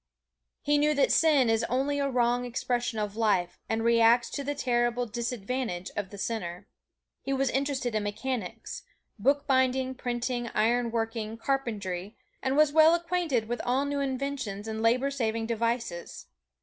He knew that sin is only a wrong expression of life, and reacts to the terrible disadvantage of the sinner. He was interested in mechanics bookbinding, printing, iron working, carpentry, and was well acquainted with all new inventions and labor saving devices.